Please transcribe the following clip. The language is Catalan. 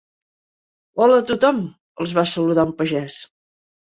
Hola a tothom —els va saludar un pagès—.